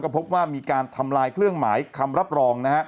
พบว่ามีการทำลายเครื่องหมายคำรับรอง